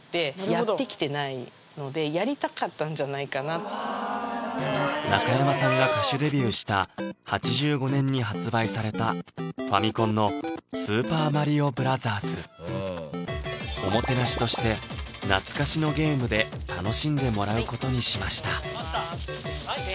これですね中山さんが歌手デビューした８５年に発売されたファミコンの「スーパーマリオブラザーズ」おもてなしとして懐かしのゲームで楽しんでもらうことにしました